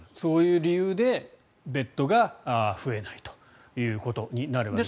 そういう理由でベッドが増えないことになるわけです。